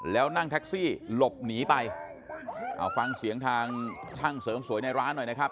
แล้วนั่งแท็กซี่หลบหนีไปเอาฟังเสียงทางช่างเสริมสวยในร้านหน่อยนะครับ